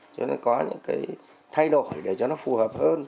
cho nên có những cái thay đổi để cho nó phù hợp hơn